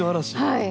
はい。